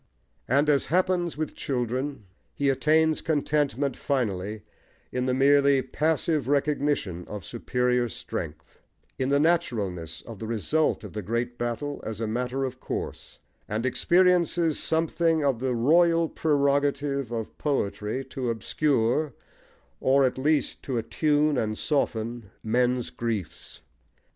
And as happens with children he attains contentment finally in the merely passive recognition of superior strength, in the naturalness of the result of the great battle as a matter of course, and experiences something of the royal prerogative of poetry to obscure, or at least to attune and soften men's griefs.